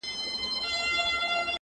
احسان نه مني قانون د زورورو،